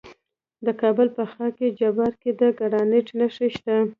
د کابل په خاک جبار کې د ګرانیټ نښې شته.